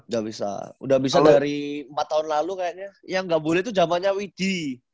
udah bisa udah bisa dari empat tahun lalu kayaknya yang gak boleh tuh jamannya widi